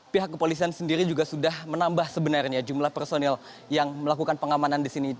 pihak kepolisian sendiri juga sudah menambah sebenarnya jumlah personil yang melakukan pengamanan di sini